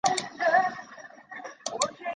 专辑取名自周杰伦最欣赏的音乐家萧邦。